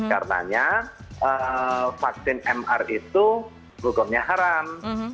karenanya vaksin mr itu hukumnya haram